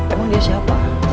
emang dia siapa